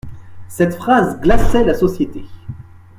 Cette phrase glaçait la société.